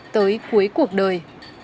tới cuối cuộc đời